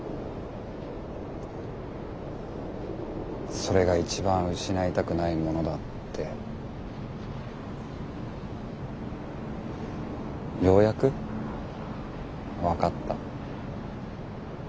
それが一番失いたくないものだってようやく分かった。